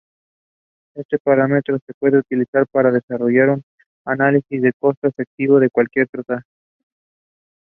Be strong.